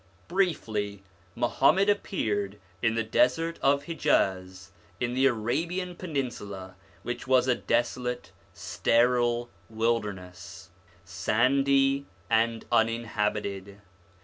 Briefly, Muhammad appeared in the desert of Hijaz in the Arabian Peninsula, which was a desolate, sterile wilderness, sandy and uninhabited.